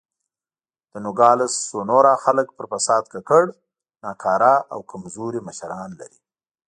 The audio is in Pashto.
د نوګالس سونورا خلک پر فساد ککړ، ناکاره او کمزوري مشران لري.